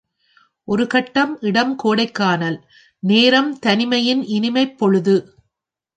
ஒரு கட்டம் இடம் கோடைக்கானல், நேரம் தனிமையின் இனிமைப் பொழுது.